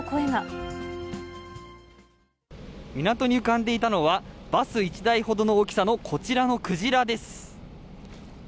港に浮かんでいたのは、バス１台ほどの大きさのこちらのクジラです。